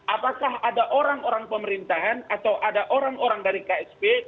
apakah ada orang orang pemerintahan atau ada orang orang dari ksp